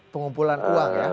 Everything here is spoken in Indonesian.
pengumpulan uang ya